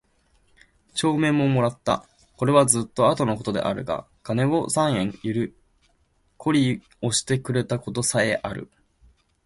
帳面も貰つた。是はずつと後の事であるが金を三円許り借してくれた事さへある。